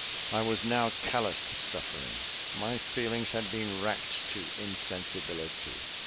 I was now callous to suffering. My feelings had been racked to insensibility.